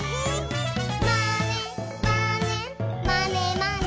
「まねまねまねまね」